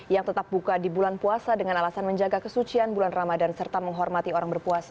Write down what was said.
yang tetap buka di bulan puasa dengan alasan menjaga kesucian bulan ramadhan serta menghormati orang berpuasa